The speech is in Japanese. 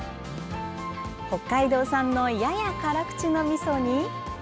北海道産のやや辛口のみそに。